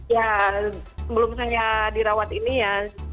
ya sebelum saya dirawat ini ya